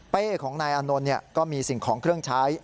ของนายอานนท์ก็มีสิ่งของเครื่องใช้